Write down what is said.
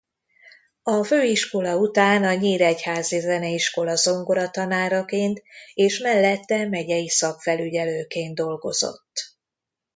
A főiskola után a Nyíregyházi Zeneiskola zongoratanáraként és mellette megyei szakfelügyelőként dolgozott.